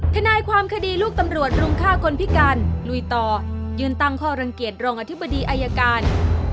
ทนายความคดีลูกตำรวจรุมฆ่าคนพิการลุยต่อยืนตั้งข้อรังเกียจรองอธิบดีอายการ